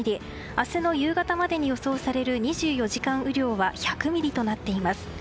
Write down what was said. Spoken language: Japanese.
明日の夕方までに予想される２４時間雨量は１００ミリとなっています。